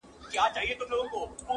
په جرس د ابادۍ د قافیلو به راویښ نه سم-